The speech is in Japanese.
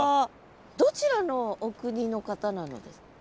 どちらのお国の方なのですか？